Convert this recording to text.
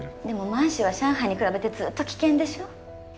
でも満洲は上海に比べてずっと危険でしょ？